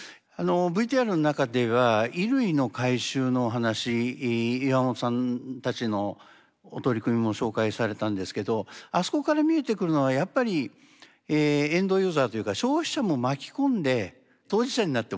ＶＴＲの中では衣類の回収の話岩元さんたちのお取り組みも紹介されたんですけどあそこから見えてくるのはやっぱりエンドユーザーというか消費者も巻き込んで当事者になってもらうんだっていうことですよね。